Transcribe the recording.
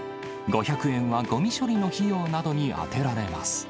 ５００円はごみ処理の費用などに充てられます。